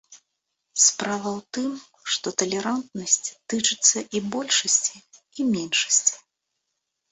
Справа ў тым, што талерантнасць тычыцца і большасці, і меншасці.